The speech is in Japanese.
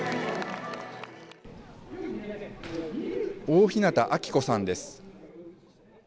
大日向暁子さんです。